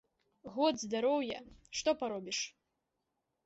Год здароўя, што паробіш.